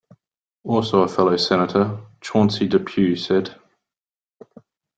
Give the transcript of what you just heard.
Also a fellow Senator, Chauncey Depew, said.